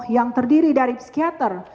yang terdiri dari psikiater